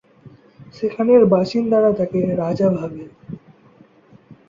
সেখানের বাসিন্দারা তাকে রাজা ভাবে।